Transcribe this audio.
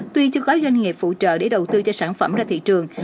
tuy chưa có doanh nghiệp phụ trợ để đầu tư cho sản phẩm ra thị trường